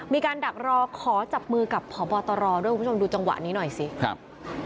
มีการดักรอขอจับมือกับพบตรด้วยคุณผู้ชมดูจังหวะนี้หน่อยสิครับ